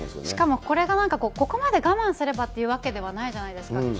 しかもこれがなんか、ここまで我慢すればってわけじゃないじゃないですか。